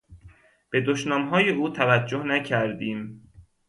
به دشنامهای او توجه نکردیم.